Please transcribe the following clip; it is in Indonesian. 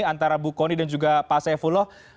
antara bu koni dan juga pak esayah fula